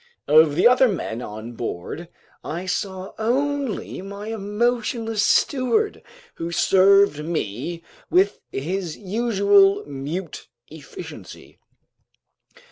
Of the other men on board, I saw only my emotionless steward, who served me with his usual mute efficiency.